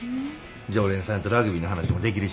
常連さんとラグビーの話もできるしな。